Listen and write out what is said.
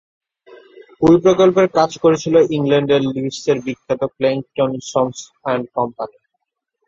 ওই প্রকল্পের কাজ করেছিল ইংল্যান্ডের লিডসের বিখ্যাত ক্লেটন সন অ্যান্ড কোম্পানি।